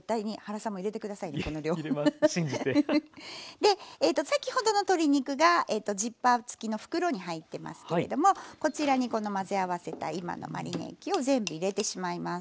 で先ほどの鶏肉がジッパー付きの袋に入ってますけれどもこちらにこの混ぜ合わせた今のマリネ液を全部入れてしまいます。